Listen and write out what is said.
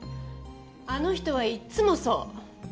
あの人はいっつもそう。